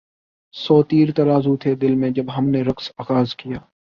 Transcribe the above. سو تیر ترازو تھے دل میں جب ہم نے رقص آغاز کیا